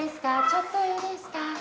ちょっといいですか？